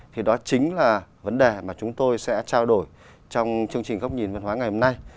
thì đó chính là vấn đề mà chúng tôi sẽ trao đổi trong chương trình góc nhìn văn hóa ngày hôm nay